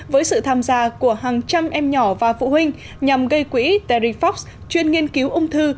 với sự tham gia của hàng trăm em nhỏ và phụ huynh nhằm gây quỹ terriffox chuyên nghiên cứu ung thư